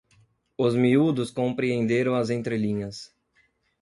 Os miúdos compreenderam as entrelinhas